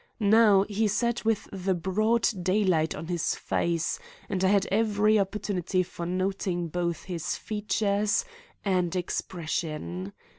Now he sat with the broad daylight on his face, and I had every opportunity for noting both his features and expression.